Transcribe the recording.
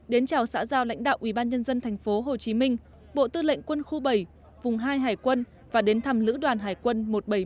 đến chào xã giao lãnh đạo ubnd tp hcm bộ tư lệnh quân khu bảy vùng hai hải quân và đến thăm lữ đoàn hải quân một trăm bảy mươi ba